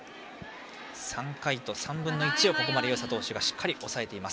３回と３分の１をここまで湯浅投手がしっかり抑えています。